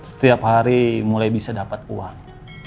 setiap hari mulai bisa dapat uang